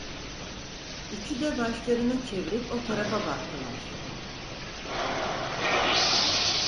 Üçü de başlarını çevirip o tarafa baktılar.